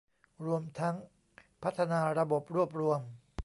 รวมทั้งพัฒนาระบบรวบรวม